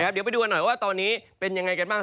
เดี๋ยวไปดูกันหน่อยว่าตอนนี้เป็นยังไงกันบ้าง